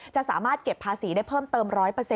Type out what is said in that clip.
จะสามารถเก็บภาษีได้เพิ่มเติม๑๐๐